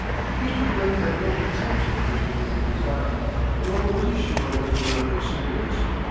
Mr. Blake had no conception of Mr. Day's design, nor was he sure that the letter was serious.